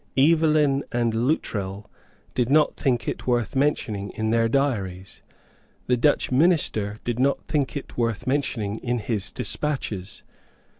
Evelyn and Luttrell did not think it worth mentioning in their diaries. The Dutch minister did not think it worth mentioning in his despatches.